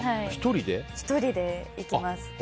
１人で行きます。